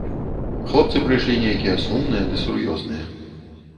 Хлопцы прыйшлі нейкія сумныя ды сур'ёзныя.